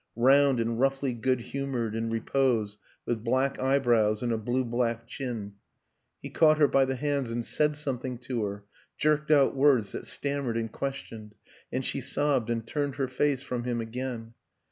Round and roughly good humored in repose with black eyebrows and a blue black chin. ... He caught her by the hands and said something to her jerked out words that stammered and questioned and she sobbed and turned her face from him again.